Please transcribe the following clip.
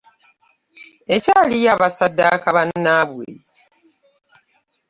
Ekyaliyo abasaddaka banabwe.